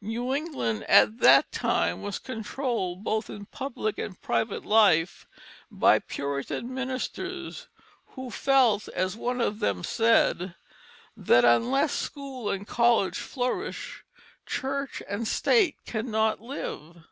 New England at that time was controlled, both in public and private life, by the Puritan ministers, who felt, as one of them said, that "unless school and college flourish, church and state cannot live."